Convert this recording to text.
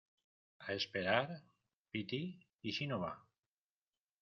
a esperar? piti, ¿ y si no va ?